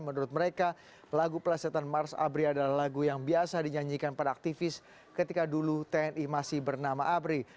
menurut mereka lagu pelesetan mars abri adalah lagu yang biasa dinyanyikan pada aktivis ketika dulu tni masih bernama abri